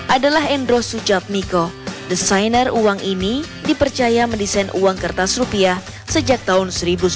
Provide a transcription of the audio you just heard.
adalah endro sujatmiko desainer uang ini dipercaya mendesain uang kertas rupiah sejak tahun seribu sembilan ratus sembilan puluh